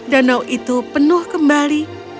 danau itu penuh kembali